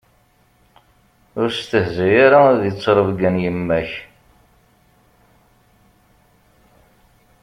Ur stehzay ara di ttrebga n yemma-k.